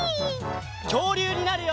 きょうりゅうになるよ！